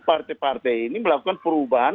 partai partai ini melakukan perubahan